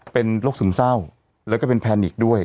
เป็นโรคซึมเศร้าแล้วก็เป็นแพนิกด้วย